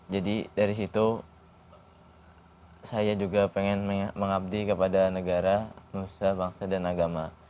jadi dari situ saya juga pengen mengabdi kepada negara musuh bangsa dan agama